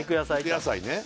肉野菜ね